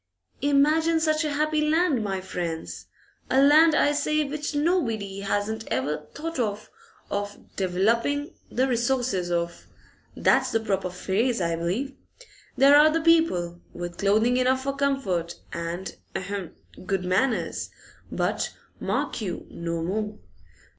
'Imagine such a happy land, my friends; a land, I say, which nobody hasn't ever thought of "developing the resources" of, that's the proper phrase, I believe. There are the people, with clothing enough for comfort and ahem! good manners, but, mark you, no more.